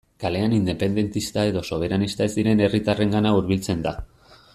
Kalean independentista edo soberanista ez diren herritarrengana hurbiltzen da.